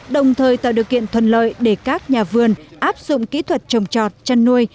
đồng thời tạo điều kiện thuận lợi để các nhà vườn áp dụng kỹ thuật trồng trọt chăn nuôi